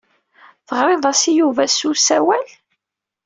Teɣriḍ-as i Yuba s usawal.